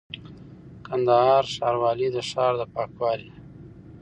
:کندهار ښاروالي د ښار د پاکوالي،